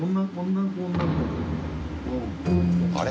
あれ？